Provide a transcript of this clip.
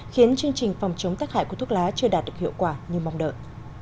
khiến chương trình phòng chống tác hại của thuốc lá chưa đạt được hiệu quả như mong đợi